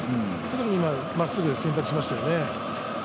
だからまっすぐ選択しましたよね。